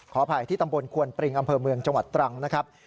อภัยที่ตำบลควนปริงอำเภอเมืองจังหวัดตรังนะครับ